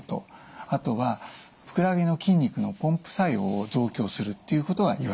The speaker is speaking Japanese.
あとはふくらはぎの筋肉のポンプ作用を増強するっていうことがいわれています。